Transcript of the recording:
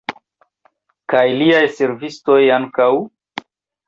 Kaj liaj servistoj ankaŭ?